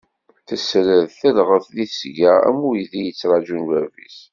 Tesred, telɣet di tesga am uydi yettrajun bab-is.